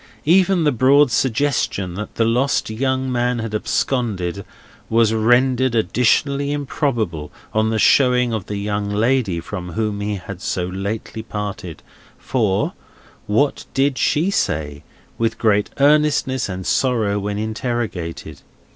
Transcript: Even the broad suggestion that the lost young man had absconded, was rendered additionally improbable on the showing of the young lady from whom he had so lately parted; for; what did she say, with great earnestness and sorrow, when interrogated?